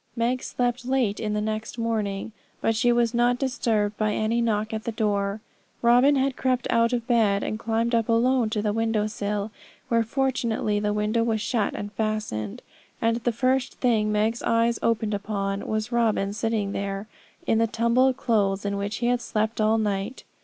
Meg slept late in the morning, but she was not disturbed by any knock at the door. Robin had crept out of bed and climbed up alone to the window sill, where fortunately the window was shut and fastened; and the first thing Meg's eyes opened upon was Robin sitting there, in the tumbled clothes in which he had slept all night.